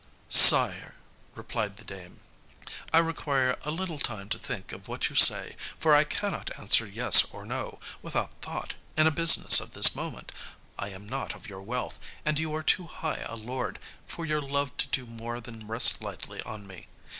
"Sire," replied the dame, "I require a little time to think of what you say, for I cannot answer yes or no, without thought, in a business of this moment. I am not of your wealth, and you are too high a lord, for your love to do more than rest lightly on me.